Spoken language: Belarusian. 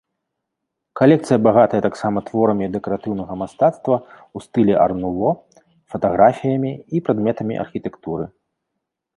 Калекцыя багатая таксама творамі дэкаратыўнага мастацтва ў стылі ар-нуво, фатаграфіямі і прадметамі архітэктуры.